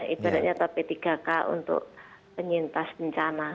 ibaratnya atau p tiga k untuk penyintas bencana